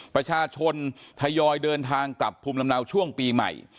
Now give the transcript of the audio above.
ประชาชนทยอยเดินทางกลับภูมิลำเนาช่วงปีใหม่